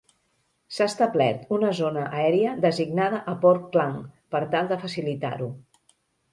S'ha establert una zona aèria designada a Port Klang per tal de facilitar-ho.